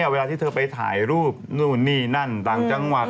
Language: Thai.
เวลาที่เธอไปถ่ายรูปนู่นนี่นั่นต่างจังหวัด